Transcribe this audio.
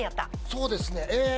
そうですねえ。